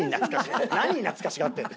何に懐かしがってんだよ。